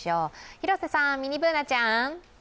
広瀬さん、ミニＢｏｏｎａちゃん。